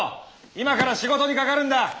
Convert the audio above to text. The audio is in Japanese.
今から仕事にかかるんだ。